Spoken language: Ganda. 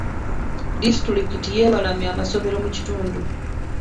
Disitulikiti yeebalamye amasomero mu kitundu.